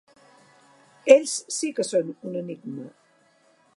Ells sí que són un enigma.